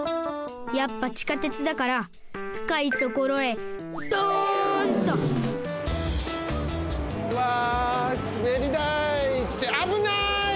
やっぱ地下鉄だからふかいところへドンと！わすべりだい！ってあぶない！